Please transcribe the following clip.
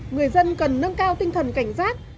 người dân cần nâng cao tinh thần cảnh giác